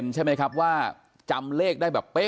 ถ้าพี่ถ้าพี่ถ้าพี่ถ้าพี่ถ้าพี่ถ้าพี่